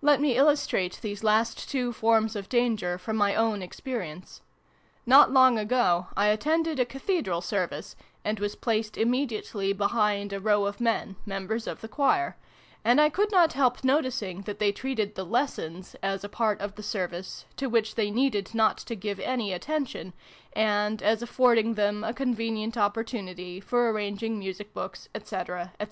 Let me illustrate these last two forms of danger, from my own experience. Not long ago, I attended a Cathedral Service, and was placed immediately behind a row of men, members of the Choir ; and I could not help noticing that they treated the Lessons as a part of the Service to which they needed not to give any attention, and as affording them a convenient opportunity for arranging music books, &c., &c.